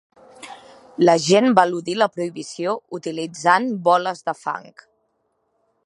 La gent va eludir la prohibició utilitzant boles de fang.